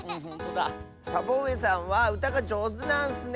サボうえさんはうたがじょうずなんッスね。